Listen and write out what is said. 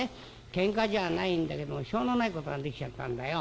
けんかじゃないんだけどもしょうのないことができちゃったんだよ。